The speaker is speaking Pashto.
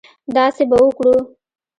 داسې به وکړو.